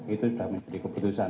itu sudah menjadi keputusan